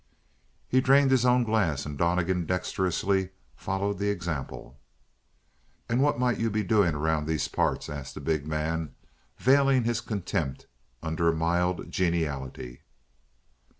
He drained his own glass, and Donnegan dexterously followed the example. "And what might you be doing around these parts?" asked the big man, veiling his contempt under a mild geniality.